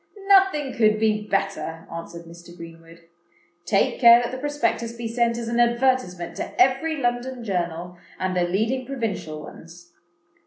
"Nothing could be better," answered Mr. Greenwood. "Take care that the Prospectus be sent as an advertisement to every London journal, and the leading provincial ones.